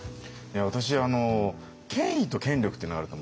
私権威と権力っていうのがあると思うんですよ。